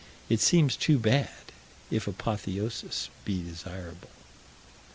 It seems too bad if apotheosis be desirable.